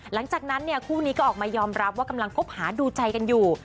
หลังจากนั้นเนี่ยคู่นี้ก็ออกมายอมรับว่ากำลังคบหาดูใจกันอยู่